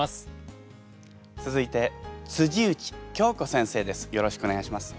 続いて内京子先生です。